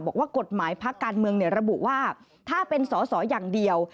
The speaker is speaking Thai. บอกว่ากฎหมายพักการเมืองระบุว่าถ้าเป็นสอสออย่างเดียว